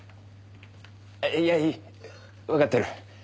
いやいいわかってる。